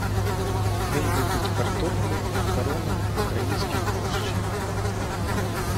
Він любить картоплю, макарони, український борщ.